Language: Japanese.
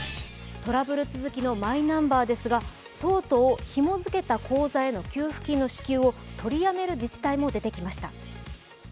トラブル続きのマイナンバーですがとうとうひも付けた口座への給付金の支給を取りやめる自治体も出てきました。